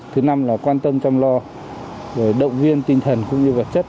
thứ năm là quan tâm trong lo động viên tinh thần cũng như vật chất